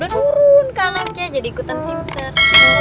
turun kan aja jadi ikutan pintar